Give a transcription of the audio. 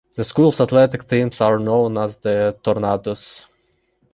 The school's athletic teams are known as the Tornadoes.